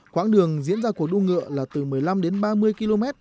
quãng đường diễn ra cuộc đua ngựa là từ một mươi năm đến ba mươi km